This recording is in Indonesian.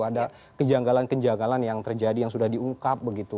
ada kejanggalan kejanggalan yang terjadi yang sudah diungkap begitu